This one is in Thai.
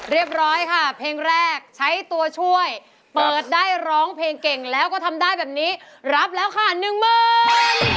เรียบร้อยค่ะเพลงแรกใช้ตัวช่วยเปิดได้ร้องเพลงเก่งแล้วก็ทำได้แบบนี้รับแล้วค่ะหนึ่งหมื่น